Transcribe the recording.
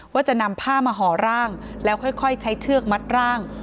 ว่าจะนำผ้ามาห่อร่างแล้วค่อยใช้เชือกมัดร่าง